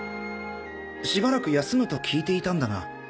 しばらく休むと聞いていたんだが。